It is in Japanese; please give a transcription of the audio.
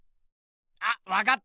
あっわかった！